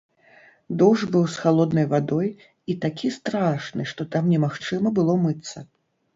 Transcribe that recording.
Душ быў з халоднай вадой і такі страшны, што там немагчыма было мыцца.